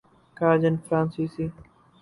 کاجن فرانسیسی